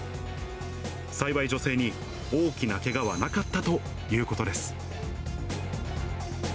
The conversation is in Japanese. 幸い、女性に大きなけがはなかったということです。